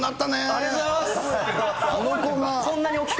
ありがとうございます。